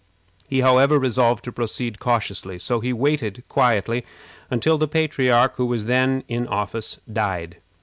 He, however, resolved to proceed cautiously. So he waited quietly until the patriarch who was then in office died.